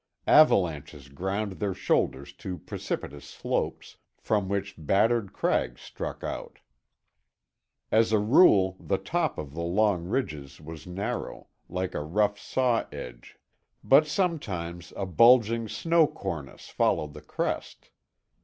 Avalanches ground their shoulders to precipitous slopes, from which battered crags stuck out. As a rule, the top of the long ridges was narrow, like a rough saw edge, but sometimes a bulging snow cornice followed the crest.